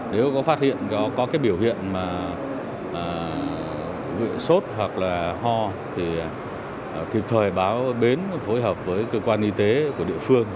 nếu có phát hiện có cái biểu hiện mài sốt hoặc là ho thì kịp thời báo bến phối hợp với cơ quan y tế của địa phương